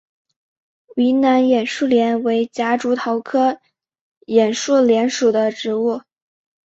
云南眼树莲为夹竹桃科眼树莲属的植物。